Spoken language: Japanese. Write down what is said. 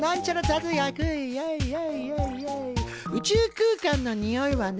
宇宙空間のにおいはね